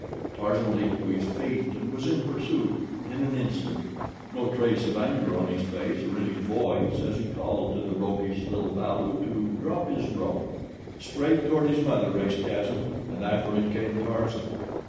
Tarzan leaped to his feet and was in pursuit in an instant, no trace of anger on his face or in his voice as he called to the roguish little balu to drop his rope. Straight toward his mother raced Gazan, and after him came Tarzan.